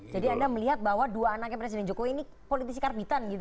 jadi anda melihat bahwa dua anaknya presiden jokowi ini politisi karbitan